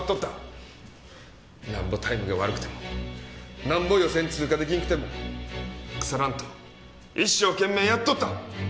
なんぼタイムが悪くてもなんぼ予選通過出来んくても腐らんと一生懸命やっとった。